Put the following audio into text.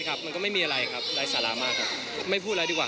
อ่ามีความขึ้นเบา